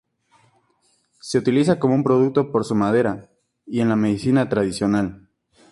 Se utiliza como un producto por su madera y en la medicina tradicional.